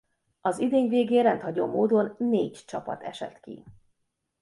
Az idény végén rendhagyó módon négy csapat esett ki.